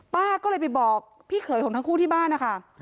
ป้าก็เลยไปบอกพี่เขยของทั้งคู่ที่บ้านนะคะ